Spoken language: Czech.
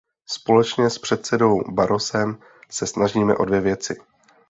Společně s předsedou Barrosem se snažíme o dvě věci.